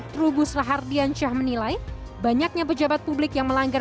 trubus lahardian cah menilai banyaknya pejabat publik yang melanggar